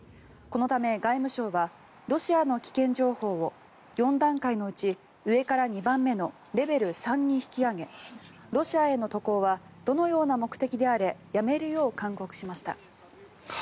このため、外務省はロシアの危険情報を４段階のうち上から２番目のレベル３に引き上げロシアへの渡航はどのような目的であれやめるよう勧告しました。